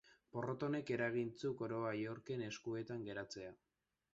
Porrot honek eragin zuen koroa Yorken eskuetan geratzea.